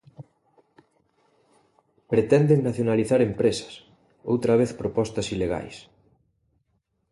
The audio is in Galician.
Pretenden nacionalizar empresas; outra vez propostas ilegais.